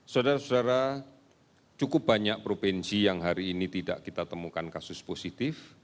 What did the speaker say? saudara saudara cukup banyak provinsi yang hari ini tidak kita temukan kasus positif